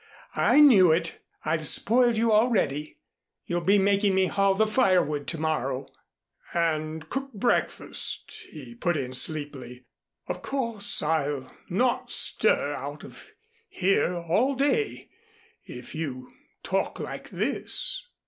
I knew it. I've spoiled you already. You'll be making me haul the firewood to morrow." "And cook breakfast," he put in sleepily. "Of course, I'll not stir out of here all day if you talk like this."